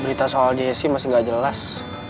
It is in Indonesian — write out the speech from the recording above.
berita soal jessi masih nggak jelas